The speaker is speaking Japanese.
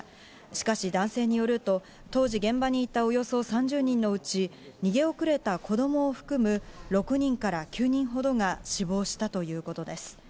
しかし男性によると当時現場にいたおよそ３０人のうちに逃げ遅れた子供を含む６人から９人ほどが死亡したということです。